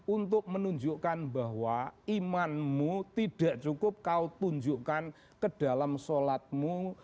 untuk menunjukkan bahwa imanmu tidak cukup kau tunjukkan ke dalam sholatmu